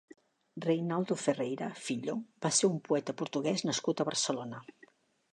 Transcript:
Reinaldo Ferreira (filho) va ser un poeta portuguès nascut a Barcelona.